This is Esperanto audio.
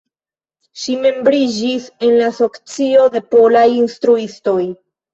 Ŝi membriĝis en la Asocio de Polaj Instruistoj.